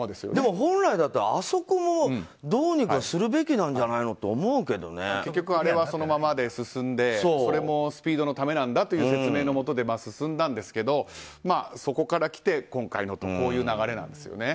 本来だったら、あそこもどうにかするべきじゃないのと結局、あれはそのままで進んでそれもスピードのためなんだという説明のもとで進んだんですけどそこからきての今回のという流れなんですよね。